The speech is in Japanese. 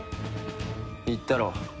言ったろ。